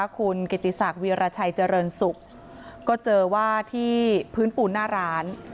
คุณกิติศักดิราชัยเจริญศุกร์ก็เจอว่าที่พื้นปูนหน้าร้าน